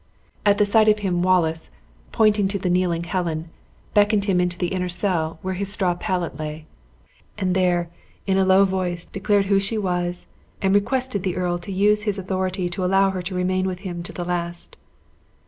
At sight of him Wallace pointing to the kneeling Helen, beckoned him into the inner cell, where his straw pallet lay; and there, in a low voice, declared who she was, and requested the earl to use his authority to allow her to remain with him to the last.